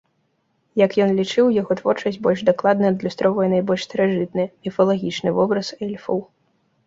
Як ён лічыў, яго творчасць больш дакладна адлюстроўвае найбольш старажытны, міфалагічны вобраз эльфаў.